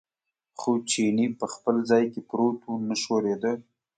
خو چیني په خپل ځای کې پروت و، نه ښورېده.